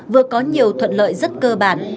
vừa có nhiều thuận lợi rất cơ bản